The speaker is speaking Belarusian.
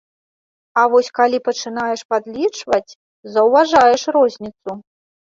А вось калі пачынаеш падлічваць, заўважаеш розніцу.